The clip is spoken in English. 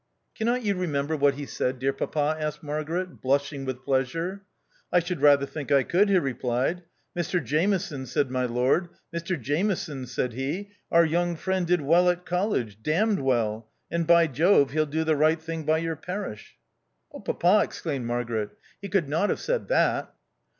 " Cannot you remember what he said, dear papa ?" asked Magaret, blushing with pleasure. " I should rather think I could," he re plied. " Mr Jameson," said my Lord, " Mr Jameson," said he, " our young friend did well at college, damned well, and, by Jove, he'll do the right thing by your parish." " Oh, papa !': exclaimed Margaret, " he could not have said that."